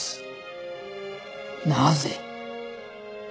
なぜ？